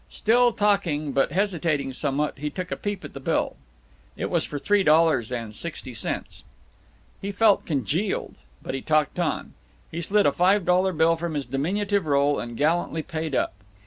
Still talking, but hesitating somewhat, he took a peep at the bill. It was for three dollars and sixty cents. He felt congealed, but he talked on. He slid a five dollar bill from his diminutive roll and gallantly paid up.